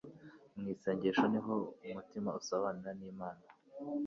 Mu isengesho ni ho umutima usabanira n'Imana.